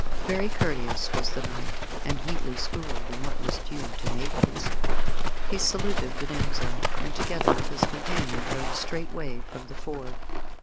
Very courteous was the knight, and meetly schooled in what was due to maidens. He saluted the damsel, and, together with his companion, rode straightway from the ford.